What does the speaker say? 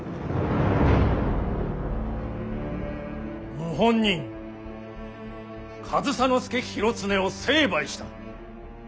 謀反人上総介広常を成敗した。